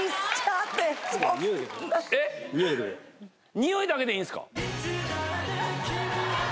匂いだけでいいんすか？